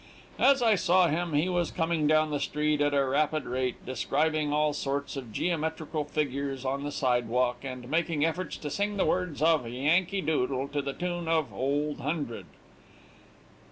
As I saw him, he was coming down the street at a rapid rate, describing all sorts of geometrical figures on the sidewalk, and making efforts to sing the words of "Yankee Doodle" to the tune of "Old Hundred."